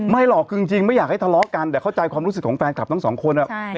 หรอกคือจริงไม่อยากให้ทะเลาะกันแต่เข้าใจความรู้สึกของแฟนคลับทั้งสองคน